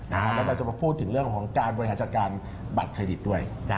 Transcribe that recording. แล้วเราจะมาพูดถึงเรื่องของการบริหารจัดการบัตรเครดิตด้วย